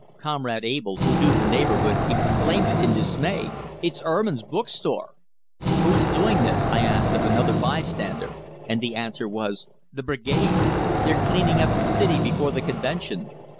Comrade Abell, who knew the neighborhood, exclaimed in dismay, "It's Erman's Book Store!" "Who's doing this?" I asked of another bystander, and the answer was, "The Brigade! They're cleaning up the city before the convention!"